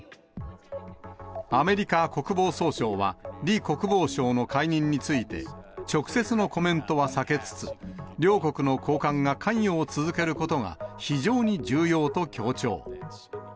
アメリカ国防総省は、李国防相の解任について、直接のコメントは避けつつ、両国の高官が関与を続けることが非常に重要と強調。